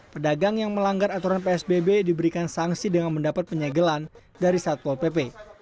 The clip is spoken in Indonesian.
pedagang yang melanggar aturan psbb diberikan sanksi dengan mendapat penyegelan dari satpol pp